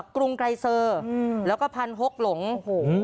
กรุงไกรเซอร์อืมแล้วก็พันหกหลงโอ้โห